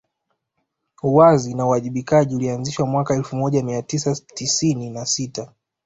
Uwazi na uwajibikaji ulianzishwa mwaka elfu moja Mia tisa tisini na sita